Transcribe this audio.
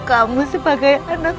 kamu sebagai anak